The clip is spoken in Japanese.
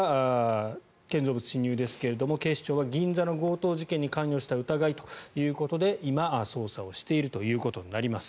逮捕容疑は建造物侵入ですが警視庁は銀座の強盗事件に関与した疑いということで今、捜査をしているということになります。